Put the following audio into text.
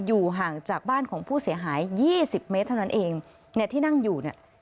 อยู่ห่างจากบ้านของผู้เสียหายยี่สิบเมตรเท่านั้นเองเนี่ยที่นั่งอยู่เนี่ย